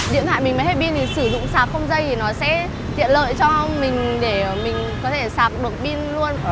điện thoại mình mới hay pin thì sử dụng sạp không dây thì nó sẽ tiện lợi cho mình để mình có thể sạp được pin luôn